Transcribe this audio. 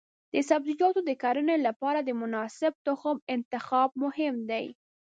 د سبزیجاتو د کرنې لپاره د مناسب تخم انتخاب مهم دی.